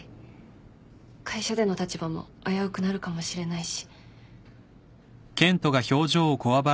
会社での立場も危うくなるかもしれないし。